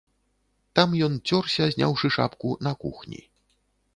Там ён цёрся, зняўшы шапку, на кухні.